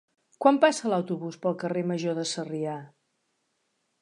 Quan passa l'autobús pel carrer Major de Sarrià?